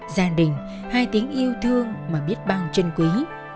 gia đình hai tiếng yêu thương mà biết bao chân quý